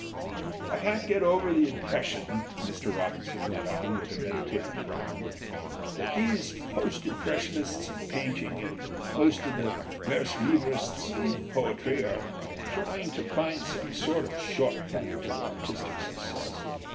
"I can't get over the impression," Mr. Robin son went on, with a meditative frown, "that these post impressionists in painting and most of the vers libristes in poetry are trying to find some sort of short cut to artistic success.